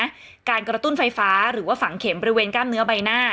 การกระตุ้นไฟฟ้าหรือว่าฝังเข็มบริเวณกล้ามเนื้อใบหน้า